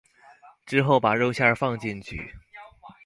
之后把肉馅放进去。